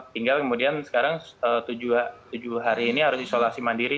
tinggal kemudian sekarang tujuh hari ini harus isolasi mandiri